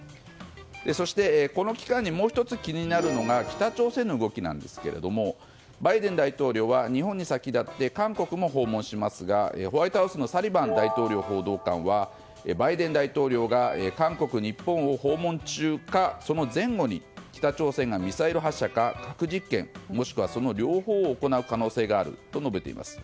そして、この期間にもう１つ気になるのが北朝鮮の動きなんですがバイデン大統領は日本に先立って韓国も訪問しますがホワイトハウスのサリバン大統領報道官はバイデン大統領が韓国、日本を訪問中かその前後に北朝鮮がミサイル発射か核実験、もしくはその両方を行う可能性があると述べています。